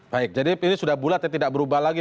baik jadi ini sudah bulat ya tidak berubah lagi